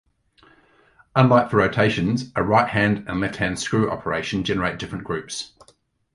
Unlike for rotations, a righthand and lefthand screw operation generate different groups.